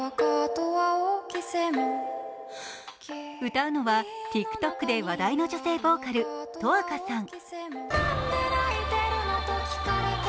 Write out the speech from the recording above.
歌うのは、ＴｉｋＴｏｋで話題の女性ボーカル、十明さん。